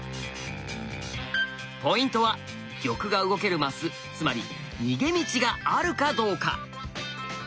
ポイントは玉が動けるマスつまり逃げ道があるかどうか。